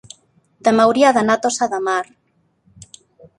demà hauria d'anar a Tossa de Mar.